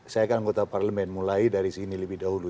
saya kan anggota parlemen mulai dari sini lebih dahulu